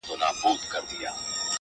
هر څه بې معنا ښکاري ډېر-